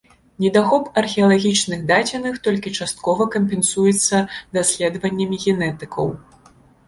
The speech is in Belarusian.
Недахоп археалагічных дадзеных толькі часткова кампенсуецца даследаваннямі генетыкаў.